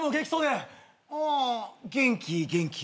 ああ元気元気。